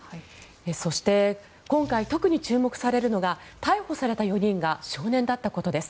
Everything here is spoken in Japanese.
そして、今回特に注目されるのが逮捕された４人が少年だったことです。